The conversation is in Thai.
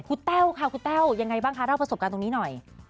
คุณแต้วค่ะคุณแต้วยังไงบ้างคะเล่าประสบการณ์ตรงนี้หน่อย